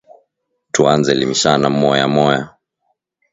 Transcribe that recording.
Tuanze limishana moya moya